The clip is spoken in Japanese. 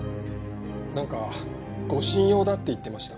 なんか護身用だって言ってました。